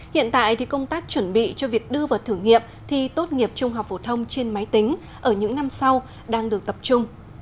hiện tại thì công tác chuẩn bị cho việc đưa vào thử nghiệm thi tốt nghiệp trung học phổ thông trên máy tính ở những năm sau đang được tập trung